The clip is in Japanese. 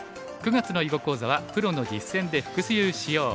９月の囲碁講座は「プロの実戦で復習しよう」。